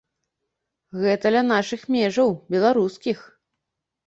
Гэта ля нашых межаў, беларускіх!